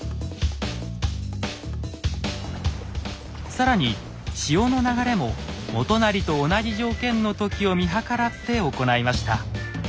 更に潮の流れも元就と同じ条件の時を見計らって行いました。